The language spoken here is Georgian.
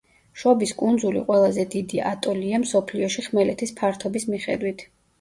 შობის კუნძული ყველაზე დიდი ატოლია მსოფლიოში ხმელეთის ფართობის მიხედვით.